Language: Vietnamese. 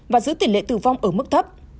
và giữ tỷ lệ tử vong ở mức thấp